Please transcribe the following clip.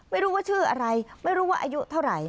ไม่รู้ว่าชื่ออะไรไม่รู้ว่าอายุเท่าไหร่